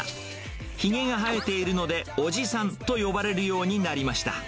ひげが生えているので、おじさんと呼ばれるようになりました。